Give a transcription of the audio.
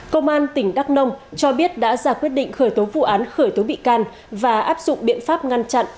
công an tỉnh đắk nông cho biết đã ra quyết định khởi tố vụ án khởi tố bị can và áp dụng biện pháp ngăn chặn